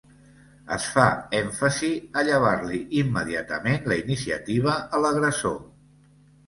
Es fa èmfasi a llevar-li immediatament la iniciativa a l'agressor.